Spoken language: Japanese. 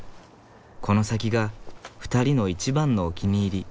この先が２人の一番のお気に入り。